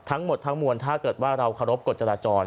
ทั้งหมดทั้งมวลถ้าเกิดว่าเราเคารพกฎจราจร